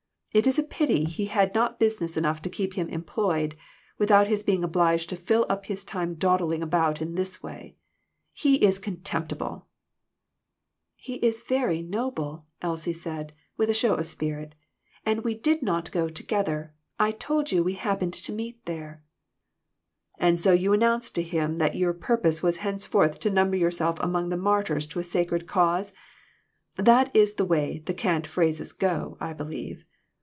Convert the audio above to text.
It is a pity he had not business enough to keep him employed, without his being obliged to fill up his time dawdling about in this way. He is contemptible !"" He is very noble !" Elsie said, with a show of spirit, "and we did not go together. I told you we happened to meet there." "And so you announced to him that your pur pose was henceforth to number yourself among 1 the martyrs to a sacred cause'? That is the way the cant phrases go, I believe.